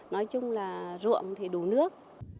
không là ruộng thì đủ nước